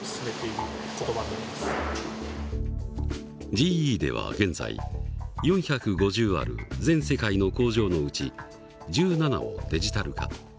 ＧＥでは現在４５０ある全世界の工場のうち１７をデジタル化。